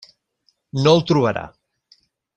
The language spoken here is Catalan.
No el trobarà.